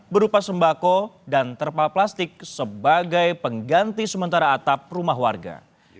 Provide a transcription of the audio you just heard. berupa sembako dan terpal plastik sebagai pengganti sementara atap rumah warga